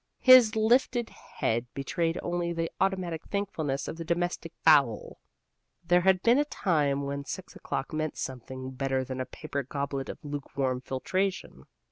His lifted head betrayed only the automatic thankfulness of the domestic fowl. There had been a time when six o'clock meant something better than a paper goblet of lukewarm filtration.